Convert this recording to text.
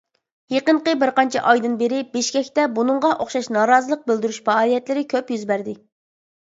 يېقىنقى بىر قانچە ئايدىن بېرى، بىشكەكتە بۇنىڭغا ئوخشاش نارازىلىق بىلدۈرۈش پائالىيەتلىرى كۆپ يۈز بەردى.